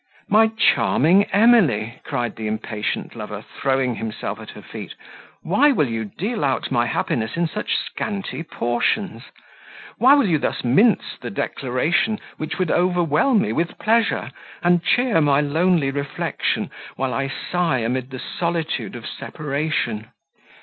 "My charming Emily," cried the impatient lover, throwing himself at her feet, "why will you deal out my happiness in such scanty portions? Why will you thus mince the declaration which would overwhelm me with pleasure, and cheer my lonely reflection, while I sigh amid the solitude of separation?"